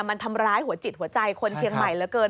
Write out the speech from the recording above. มันทำร้ายหัวจิตหัวใจคนเชียงใหม่เหลือเกิน